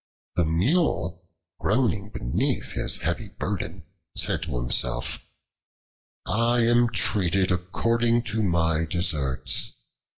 The Mule, groaning beneath his heavy burden, said to himself: "I am treated according to my deserts.